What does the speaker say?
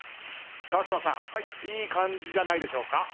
川島さんいい感じじゃないでしょうか？